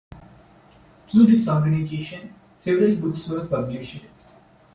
Through this organization, several books were published.